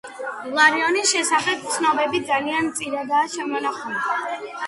ილარიონის შესახებ ცნობები ძალიან მწირადაა შემონახული.